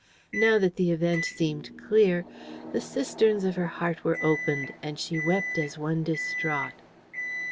Now that the event seemed clear, the cisterns of her heart were opened, and she wept as one distraught.